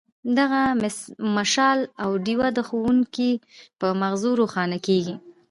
دغه مشال او ډیوه د ښوونکي په مازغو روښانه کیږي.